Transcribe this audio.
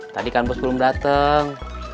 tadi kan bos belum dateng